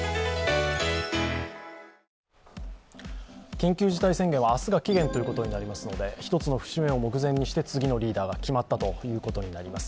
緊急事態宣言は明日が期限ということになりますので一つの節目を目前にして次のリーダーが決まったということです。